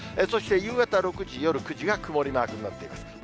そして夕方６時、夜９時が曇りマークになっています。